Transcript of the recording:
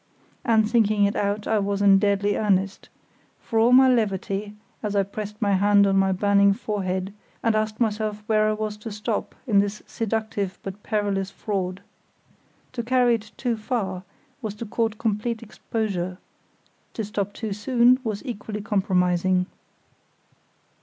And thinking it out I was in deadly earnest, for all my levity, as I pressed my hand on my burning forehead and asked myself where I was to stop in this seductive but perilous fraud. To carry it too far was to court complete exposure; to stop too soon was equally compromising.